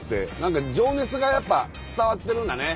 情熱がやっぱ伝わってるんだね。